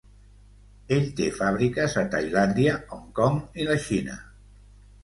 Ell té fàbriques a Tailàndia, Hong Kong i la Xina.